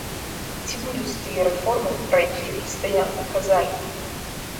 Ці будуць тыя рэформы, пра якія пастаянна казалі?